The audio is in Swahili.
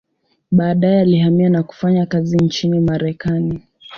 Baadaye alihamia na kufanya kazi nchini Marekani.